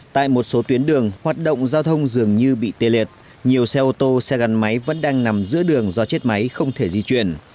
tại một số tuyến đường hoạt động giao thông dường như bị tê liệt nhiều xe ô tô xe gắn máy vẫn đang nằm giữa đường do chết máy không thể di chuyển